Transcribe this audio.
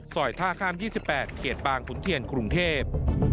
สอยท่าข้าม๒๘เกียรติบางคุณเทียนคุรุงเทพ